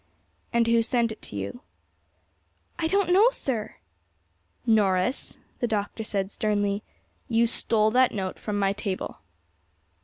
"And who sent it to you?" "I don't know, sir." "Norris," the Doctor said sternly, "you stole that note from my table."